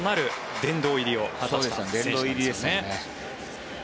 殿堂入りですよね。